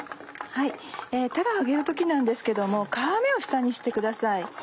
たらを揚げる時なんですけども皮目を下にしてください。